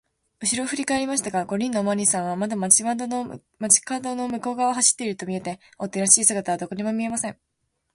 うしろをふりかえりましたが、五人のおまわりさんはまだ町かどの向こうがわを走っているとみえて、追っ手らしい姿はどこにも見えません。